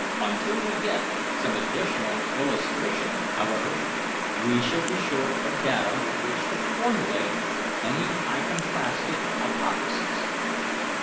Until we get some additional illustration, however, we shall be short of data with which to formulate any iconoclastic hypothesis.